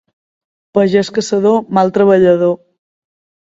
Pagès caçador, mal treballador.